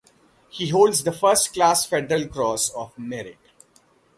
He holds the First Class Federal Cross of Merit.